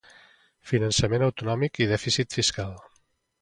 Finançament autonòmic i dèficit fiscal.